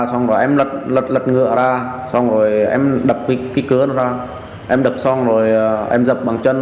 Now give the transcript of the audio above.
xong rồi em lật ngựa ra xong rồi em đập cái cửa nó ra em đập xong rồi em dập bằng chân